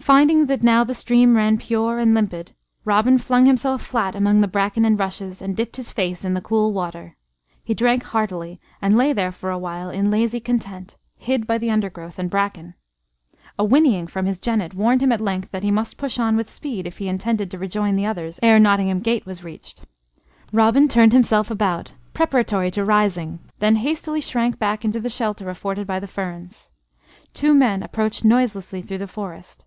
Finding that now the stream ran pure and limpid, Robin flung himself flat among the bracken and rushes, and dipped his face in the cool water. He drank heartily, and lay there for a while in lazy content, hid by the undergrowth and bracken. A whinnying from his jennet warned him at length that he must push on with speed if he intended to rejoin the others ere Nottingham gate was reached. Robin turned himself about, preparatory to rising, then hastily shrank back into the shelter afforded by the ferns. Two men approached noiselessly through the forest.